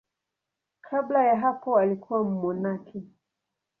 Kabla ya hapo alikuwa mmonaki.